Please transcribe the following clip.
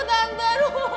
tolongin aku tante